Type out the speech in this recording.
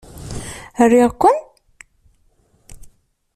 Riɣ-ken!